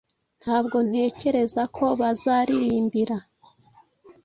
Ntabwo ntekereza ko bazaririmbira